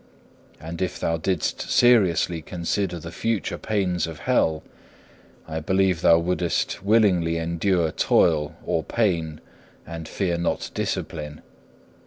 And if thou didst seriously consider the future pains of hell, I believe thou wouldest willingly endure toil or pain and fear not discipline.